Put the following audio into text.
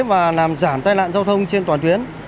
và làm giảm tai nạn giao thông trên toàn tuyến